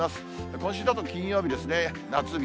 今週だと金曜日ですね、夏日。